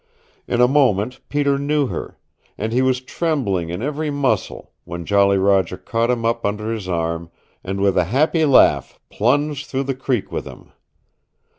In a moment Peter knew her, and he was trembling in every muscle when Jolly Roger caught him up under his arm, and with a happy laugh plunged through the creek with him.